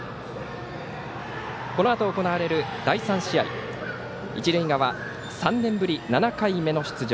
このあと行われる第３試合一塁側、３年ぶり７回目の出場